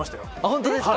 本当ですか？